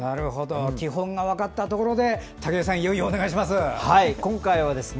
基本が分かったところで武井さん、いよいよお願いします。